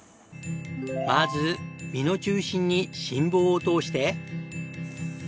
まず実の中心に心棒を通して。